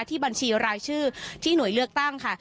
บัญชีรายชื่อที่หน่วยเลือกตั้งค่ะ